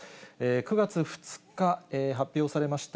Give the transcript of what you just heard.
９月２日発表されました、